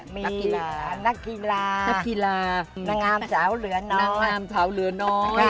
มีนักกีฬานางงามสาวเหลือน้อย